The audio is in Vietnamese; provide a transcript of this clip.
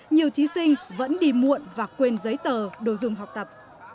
nhiều thí sinh vẫn đi muộn và quên giấy tờ đồ dùng học tập